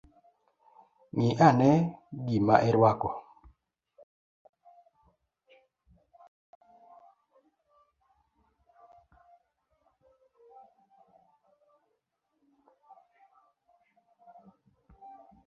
Ngi ane gima irwako